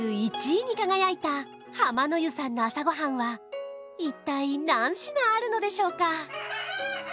１位に輝いた浜の湯さんの朝ごはんは一体何品あるのでしょうか？